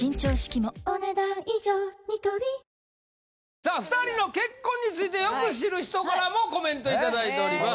さあ２人の結婚についてよく知る人からもコメント頂いております。